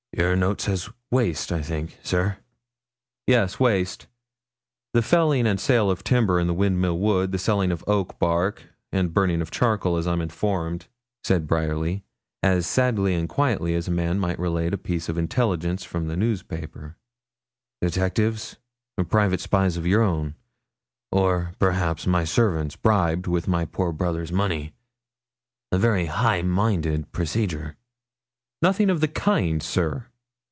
'Your note says waste, I think, sir?' 'Yes, waste the felling and sale of timber in the Windmill Wood, the selling of oak bark and burning of charcoal, as I'm informed,' said Bryerly, as sadly and quietly as a man might relate a piece of intelligence from the newspaper. 'Detectives? or private spies of your own or, perhaps, my servants, bribed with my poor brother's money? A very high minded procedure.' 'Nothing of the kind, sir.'